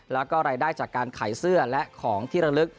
แล้วก็รายได้จากการขายเสื้อและของที่ระลึก